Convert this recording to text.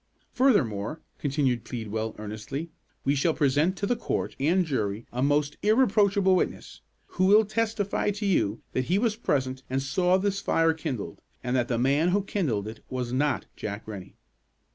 "Furthermore," continued Pleadwell, earnestly, "we shall present to the court and jury a most irreproachable witness, who will testify to you that he was present and saw this fire kindled, and that the man who kindled it was not Jack Rennie."